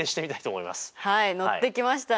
はい乗ってきましたね！